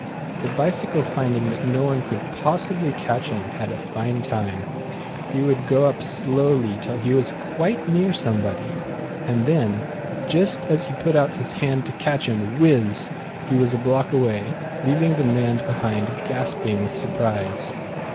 The Bicycle finding that no one could possibly catch him, had a fine time. He would go up slowly till he was quite near some body, and then, just as he put out his hand to catch him, whizz, he was a block away, leaving the man behind gasping with surprise.